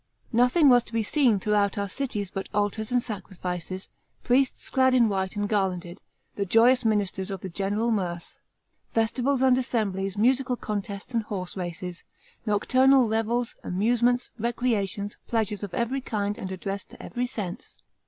Nothing was to be seen throughout our cities but altars and sacrifices, priests clad in white and garlanded, the joyous ministers of the general mirth ; festivals and assemblies, musical contests and horse races, nocturnal revels, amusements, recreations, pleasures of every kind and addressed to every sense.